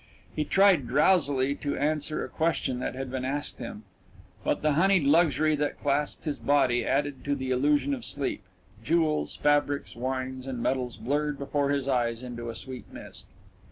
He tried drowsily to answer a question that had been asked him, but the honeyed luxury that clasped his body added to the illusion of sleep jewels, fabrics, wines, and metals blurred before his eyes into a sweet mist